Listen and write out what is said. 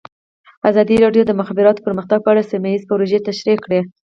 ازادي راډیو د د مخابراتو پرمختګ په اړه سیمه ییزې پروژې تشریح کړې.